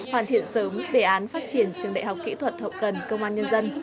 hoàn thiện sớm đề án phát triển trường đại học kỹ thuật hậu cần công an nhân dân